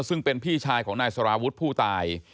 ซึ่งเป็นพี่ชายของนายสารวุฒิผู้ตาย